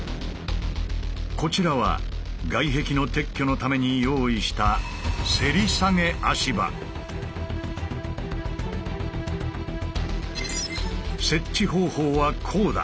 こちらは外壁の撤去のために用意した設置方法はこうだ！